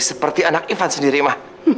seperti anak ivan sendiri mah